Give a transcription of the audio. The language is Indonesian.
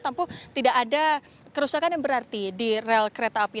tampu tidak ada kerusakan yang berarti di rel kereta api